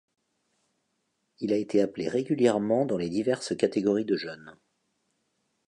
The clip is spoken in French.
Il a été appelé régulièrement dans les diverses catégories de jeunes.